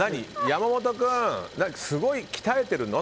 山本君、すごい鍛えているの？